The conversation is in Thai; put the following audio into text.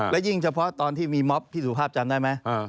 และยิ่งเฉพาะตอนที่มีม็อบพี่สุภาพจำได้ไหม